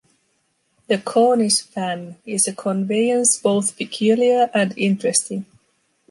The Cornish van is a conveyance both peculiar and interesting.